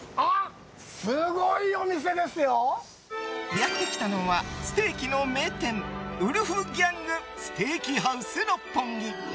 やってきたのはステーキの名店ウルフギャング・ステーキハウス六本木。